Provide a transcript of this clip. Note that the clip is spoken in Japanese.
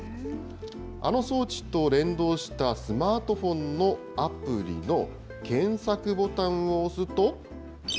あの装置と連動したスマートフォンのアプリの検索ボタンを押すと。